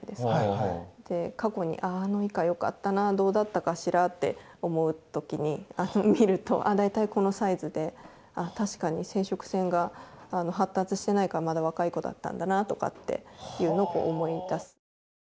過去にあああのイカよかったなあどうだったかしらって思う時に見るとあ大体このサイズで確かに生殖腺が発達してないからまだ若い子だったんだなとかっていうのを思い出す。